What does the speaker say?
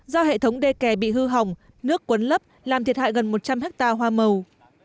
do hệ thống đê kè bị hư hỏng nước quấn lấp làm thiệt hại gần một trăm linh hectare hoa màu